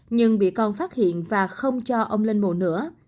nhưng bị con phát hiện và không cho ông lên mồ nữa